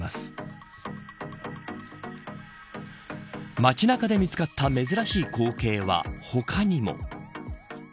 街中で見つかった珍しい光景は他にも。